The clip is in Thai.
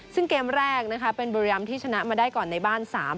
ซึ่งเกมแรกนะคะเป็นบุรีรำที่ชนะมาได้ก่อนในบ้าน๓๐